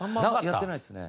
やってないですね。